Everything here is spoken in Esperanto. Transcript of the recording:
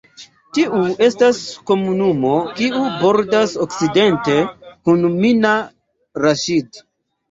Tiu estas komunumo kiu bordas okcidente kun Mina Raŝid.